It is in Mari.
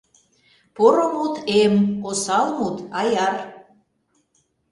Поро мут — эм; осал мут — аяр.